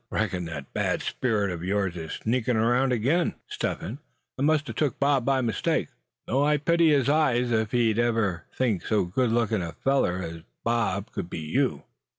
Reckon that bad spirit of yours is sneakin' around again, Step Hen, and must a took Bob by mistake; though I pity his eyes if he'd ever think so good lookin' a feller as Bob could be you!"